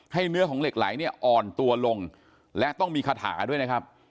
เนื้อของเหล็กไหลเนี่ยอ่อนตัวลงและต้องมีคาถาด้วยนะครับ